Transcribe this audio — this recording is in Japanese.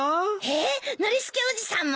えっノリスケおじさんも？